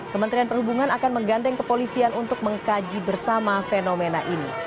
kementerian perhubungan akan menggandeng kepolisian untuk mengkaji bersama fenomena ini